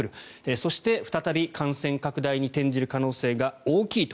そして、再び感染拡大に転じる可能性が大きいと。